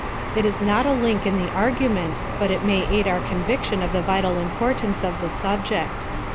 It ia not a link in the argument, but it may aid our conviction of the vital importance of the subject.